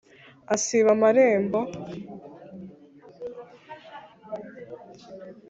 asiba amarembo